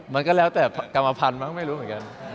มันก็แล้วแต่กรรมภัณฑ์มั้งไม่รู้เหมือนกัน